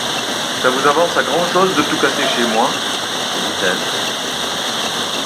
Ça vous avance à grand’chose, de tout casser chez moi! dit-elle.